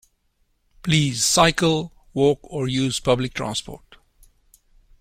Please cycle, walk, or use public transport